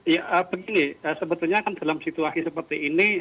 ya begini sebetulnya kan dalam situasi seperti ini